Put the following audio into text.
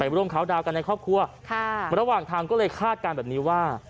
ร่วมเขาดาวกันในครอบครัวค่ะระหว่างทางก็เลยคาดการณ์แบบนี้ว่า